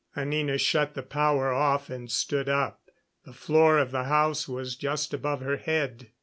Anina shut the power off and stood up. The floor of the house was just above her head.